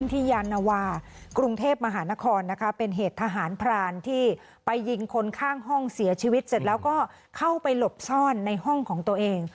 ยานวากรุงเทพมหานครนะคะเป็นเหตุทหารพรานที่ไปยิงคนข้างห้องเสียชีวิตเสร็จแล้วก็เข้าไปหลบซ่อนในห้องของตัวเอง